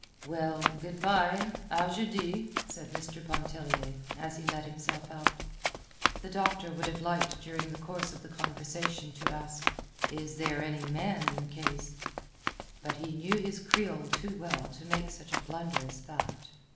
"Well, good by, à jeudi," said Mr. Pontellier, as he let himself out. The Doctor would have liked during the course of conversation to ask, "Is there any man in the case?" but he knew his Creole too well to make such a blunder as that.